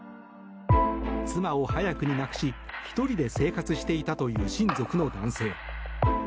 妻を早くに亡くし１人で生活していたという親族の男性。